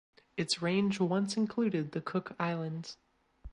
Its range once included the Cook Islands.